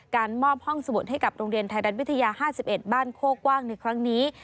มอบห้องสมุดให้กับโรงเรียนไทยรัฐวิทยา๕๑บ้านโคกว้างในครั้งนี้